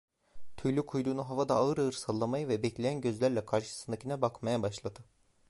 Tüylü kuyruğunu havada ağır ağır sallamaya ve bekleyen gözlerle karşısındakine bakmaya başladı.